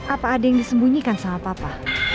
apa ada yang disembunyikan sama papa